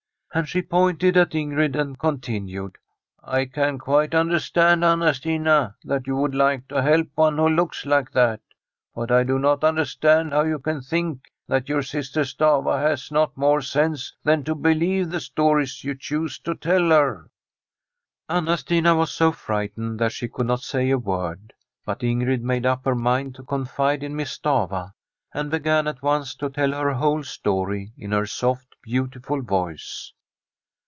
And she pointed at Ingrid, and continued :' I can quite understand, Anna Stina, that you would like to help one who looks like that. But I do not understand how you can think that your sister Stafva has not more sense than to believe the stories you choose to tell her.' Anna Stina was so frightened that she could not say a word, but Ingrid made up her mind to con fide in Miss Stafva, and began at once to tell her whole story in her soft, beautiful voice.